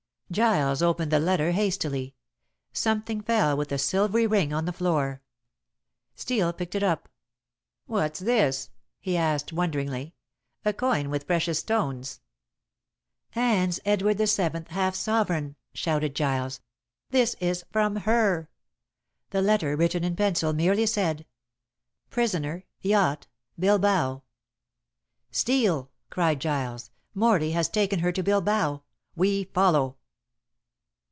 Giles opened the letter hastily. Something fell with a silvery ring on the floor. Steel picked it up. "What's this?" he asked wonderingly "a coin with precious stones!" "Anne's Edward VII. half sovereign," shouted Giles. "This is from her." The letter, written in pencil, merely said, "Prisoner yacht Bilbao." "Steel," cried Giles, "Morley has taken her to Bilbao! We follow."